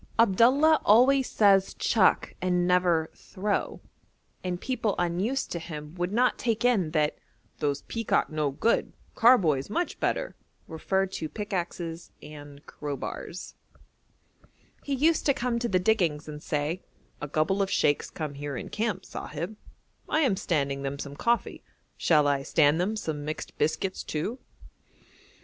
Abdullah always says chuck and never throw; and people unused to him would not take in that 'Those peacock no good, carboys much better,' referred to pickaxes and crowbars. [Illustration: A MOSQUE AT MANAMAH, BAHREIN] He used to come to the diggings and say: 'A couble of Sheikhs come here in camp, Sahib. I am standing them some coffee; shall I stand them some mixed biscuits, too?'